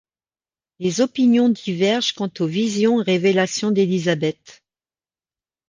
Les opinions divergent quant aux visions et révélations d'Élisabeth.